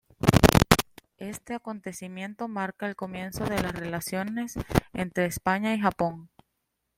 Este acontecimiento marca el comienzo de la relaciones entre España y Japón.